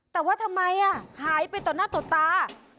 แต่ว่าทำไมหายไปต่อหน้าต่อตา